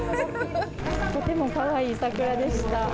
とてもかわいい桜でした。